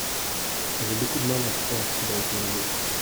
J’ai beaucoup de mal à croire qu’il a été enlevé.